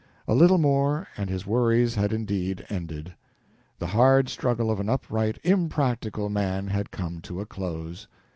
A little more, and his worries had indeed ended. The hard struggle of an upright, impractical man had come to a close.